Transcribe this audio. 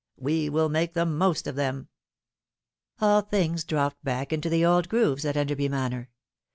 We will make the most of them." All things dropped back into the old grooves at Enderby Manor.